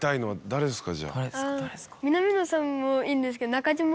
南野さんもいいんですけど。